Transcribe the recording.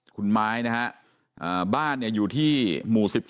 คุณไม้นะฮะบ้านอยู่ที่หมู่๑๒